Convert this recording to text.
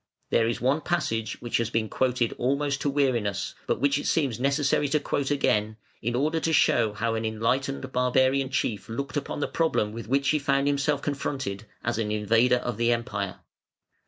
There is one passage which has been quoted almost to weariness, but which it seems necessary to quote again, in order to show how an enlightened barbarian chief looked upon the problem with which he found himself confronted, as an invader of the Empire.